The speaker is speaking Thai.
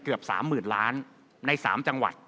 เกือบ๓๐๐๐ล้านใน๓จังหวัด